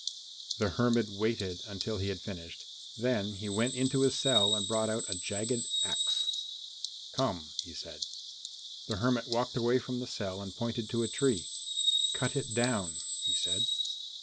The hermit waited until he had finished, then he went into his cell and brought out a jagged axe. "Come," he said. The hermit walked away from the cell and pointed to a tree. "Cut it down," he said.